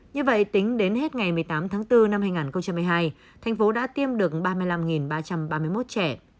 như vậy tính đến hết ngày một mươi tám tháng bốn năm hai nghìn một mươi hai thành phố đã tiêm được ba mươi năm ba trăm ba mươi một trẻ